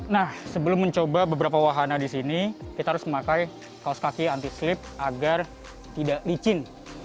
nah sebelum mencoba beberapa wahana di sini kita harus memakai kaos kaki anti sleep agar tidak licin